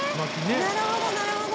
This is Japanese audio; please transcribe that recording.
なるほどなるほど。